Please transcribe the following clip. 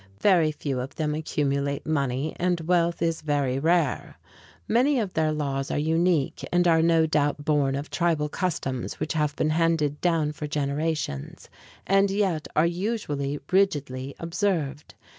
Very few of them accumulate money, and wealth is very rare. Many of their laws are unique, and are no doubt born of tribal customs which have been handed down for generations, and yet are usually rigidly observed.